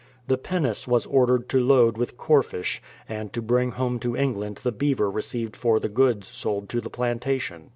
The pinnace was ordered to load with corfish, and to bring home to England the beaver received for the goods sold to the plantation.